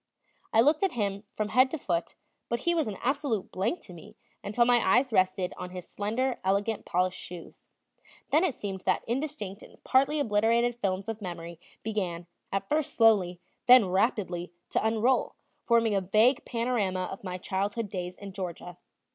I looked at him from head to foot, but he was an absolute blank to me until my eyes rested on his slender, elegant polished shoes; then it seemed that indistinct and partly obliterated films of memory began, at first slowly, then rapidly, to unroll, forming a vague panorama of my childhood days in Georgia.